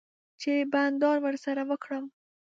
چی بانډار ورسره وکړم